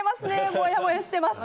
もやもやしてます。